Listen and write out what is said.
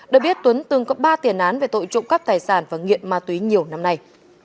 được biết tuấn từng có ba tiền án về tội trộm cắp tài sản và nghiện ma túy nhiều năm nay